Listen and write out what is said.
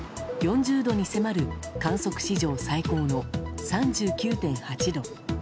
４０度に迫る観測史上最高の３９．８度。